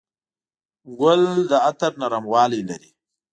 ګل د عطر نرموالی لري.